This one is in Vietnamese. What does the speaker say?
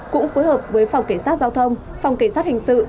cũng phối hợp với phòng kể sát giao thông phòng kể sát hình sự